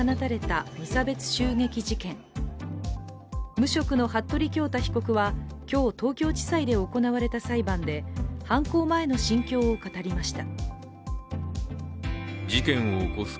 無職の服部恭太被告は今日東京地裁で行われた裁判で犯行前の心境を語りました。